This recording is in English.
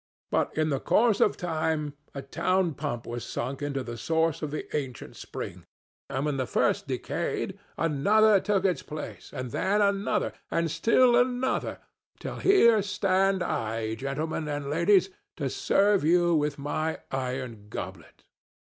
But in the course of time a town pump was sunk into the source of the ancient spring; and when the first decayed, another took its place, and then another, and still another, till here stand I, gentlemen and ladies, to serve you with my iron goblet.